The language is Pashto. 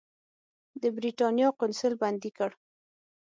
د برېټانیا قونسل بندي کړ.